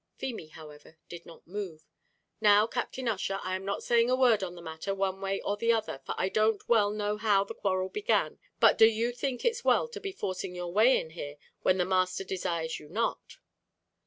Feemy, however, did not move. "Now, Captain Ussher, I am not saying a word on the matter, one way or other, for I don't well know how the quarrel began, but do you think it's well to be forcing your way in here, when the master desires you not?"